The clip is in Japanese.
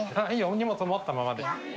荷物持ったままで。